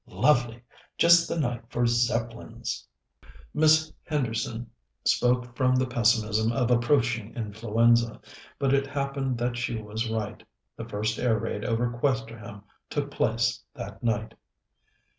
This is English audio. "Lovely. Just the night for Zeppelins." Miss Henderson spoke from the pessimism of approaching influenza, but it happened that she was right. The first air raid over Questerham took place that night.